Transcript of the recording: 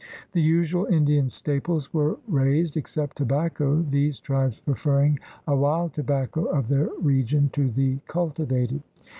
The usual Indian staples were raised except tobacco, these tribes preferring a wild tobacco of their region to the cultivated."'